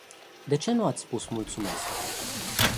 De ce nu ați spus "mulțumesc”?